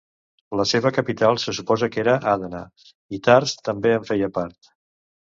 La seva capital se suposa que era Adana, i Tars també en feia part.